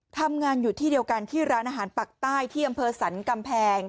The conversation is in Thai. ทำงานอยู่ที่เดียวกันที่ร้านอาหารปักใต้ที่อำเภอสรรกำแพง